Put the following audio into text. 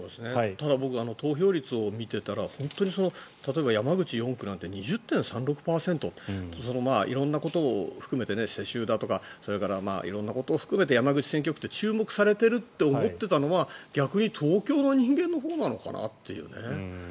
ただ僕、投票率を見ていたら本当に例えば、山口４区なんて２０．３６％色んなことを含めて世襲だとか色んなことを含めて山口選挙区って注目されてるって思ってたのは逆に東京の人間のほうなのかなというね。